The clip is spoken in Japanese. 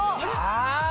ああ！